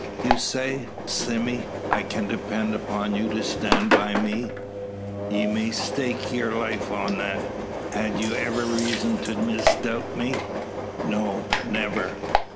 "You say, Sime, I can depend upon you to stand by me?" "Ye may stake yur life on that. Had you iver reezun to misdoubt me?" "No never."